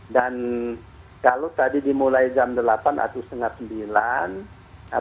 dan kalau tadi dimulai jam delapan atau setengah sembilan